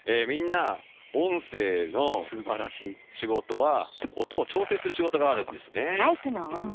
みんな音声の仕事は音を調整する仕事があるんですね。